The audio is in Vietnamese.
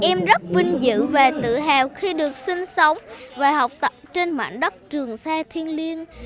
em rất vinh dự và tự hào khi được sinh sống và học tập trên mảnh đất trường sa thiên liêng